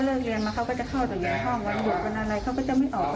นี่คือทางด้านของอีกคนนึงบ้างค่ะคุณผู้ชมค่ะ